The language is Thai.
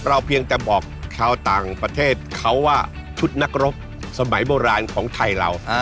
เพียงแต่บอกชาวต่างประเทศเขาว่าชุดนักรบสมัยโบราณของไทยเรา